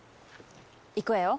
いくわよ。